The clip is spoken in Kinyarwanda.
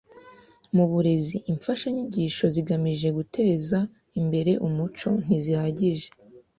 Mu burezi, imfashanyigisho zigamije guteza imbere umuco ntizihagije.